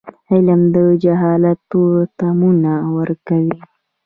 علم د جهالت تورتمونه ورکوي.